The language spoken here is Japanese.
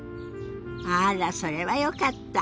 あらそれはよかった。